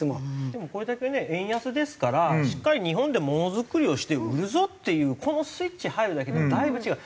でもこれだけね円安ですからしっかり日本でものづくりをして売るぞっていうこのスイッチ入るだけでもだいぶ違う。